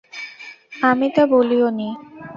আমি তা বলিওনি।